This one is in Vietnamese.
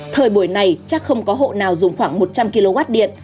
thời buổi này chắc không có hộ nào dùng khoảng một trăm linh kw điện